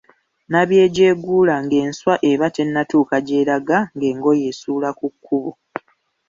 Nabyejeeguula ng’enswa eba tennatuuka gy’eraga ng’engoye esuula mu kkubo.